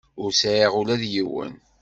Ur sɛiɣ ula d yiwen.